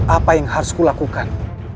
apa yang harus kulakukan